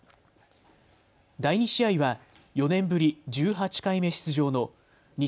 第２試合は４年ぶり１８回目出場の西